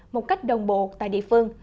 một cách đồng bộ tại địa phương